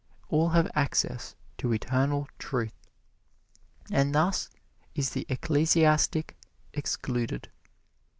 All have access to Eternal Truth, and thus is the ecclesiastic excluded.